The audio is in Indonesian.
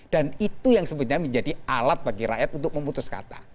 dan itu yang sebenarnya menjadi alat bagi rakyat untuk memutus kata